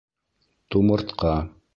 — Тумыртҡа.